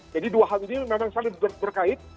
jadi dua hal ini memang sangat berkait